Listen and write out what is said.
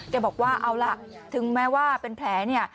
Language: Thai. บอกว่าเอาล่ะถึงแม้ว่าเป็นแผลเนี่ย